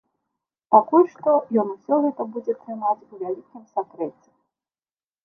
Пакуль што ён усё гэта будзе трымаць у вялікім сакрэце.